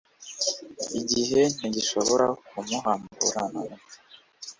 Igihe ntigishobora kumuhambura nagato